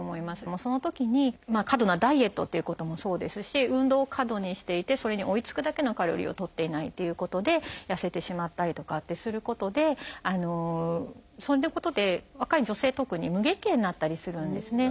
そのときに過度なダイエットっていうこともそうですし運動を過度にしていてそれに追いつくだけのカロリーをとっていないということで痩せてしまったりとかってすることでそういうことで若い女性特に無月経になったりするんですね。